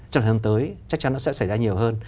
trong tháng tới chắc chắn nó sẽ xảy ra nhiều hơn